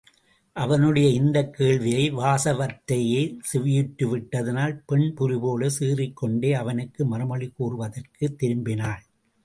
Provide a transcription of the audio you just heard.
அவனுடைய இந்தக் கேள்வியை வாசவதத்தையே செவியுற்று விட்டதனால் பெண் புலிபோலச் சீறிக்கொண்டே அவனுக்கு மறுமொழி கூறுவதற்காகத் திரும்பினாள்.